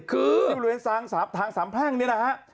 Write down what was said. คือทางสามแพร่งนี้นะฮะ